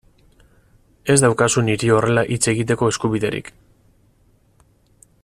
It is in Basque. Ez daukazu niri horrela hitz egiteko eskubiderik.